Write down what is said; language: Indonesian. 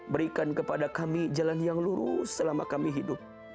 berikan kepada kami jalan yang lurus selama kami hidup